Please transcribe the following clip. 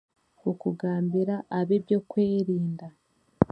Okugambira ab'ebyokwerinda.